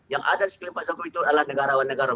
yang ada di sekeliling pak jokowi itu adalah negarawan negarawan